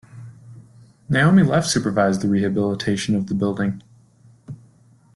Naomi Leff supervised the rehabilitation of the building.